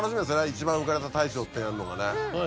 一番浮かれた大賞ってやんのがね。